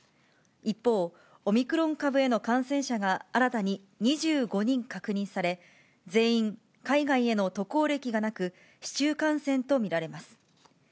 一方、オミクロン株への感染者が新たに２５人確認され、全員海外への渡航歴がなく、市中感染と見られます。